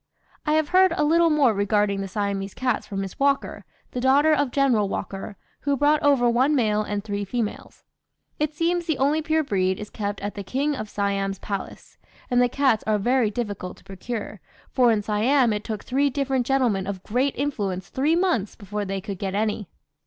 "I have heard a little more regarding the Siamese cats from Miss Walker, the daughter of General Walker, who brought over one male and three females. It seems the only pure breed is kept at the King of Siam's palace, and the cats are very difficult to procure, for in Siam it took three different gentlemen of great influence three months before they could get any.